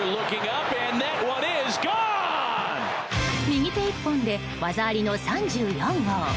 右手１本で技ありの３４号。